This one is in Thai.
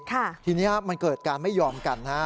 ทีนี้มันเกิดการไม่ยอมกันฮะ